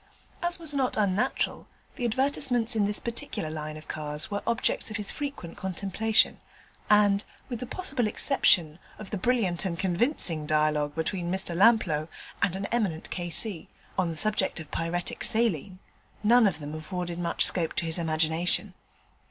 As was not unnatural, the advertisements in this particular line of cars were objects of his frequent contemplation, and, with the possible exception of the brilliant and convincing dialogue between Mr Lamplough and an eminent K.C. on the subject of Pyretic Saline, none of them afforded much scope to his imagination.